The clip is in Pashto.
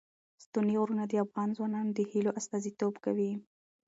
ستوني غرونه د افغان ځوانانو د هیلو استازیتوب کوي.